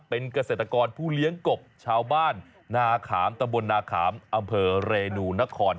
เป็นเกษตรกรผู้เลี้ยงกบชาวบ้านนาขามตะบลนาขามอำเภอเรนูนคร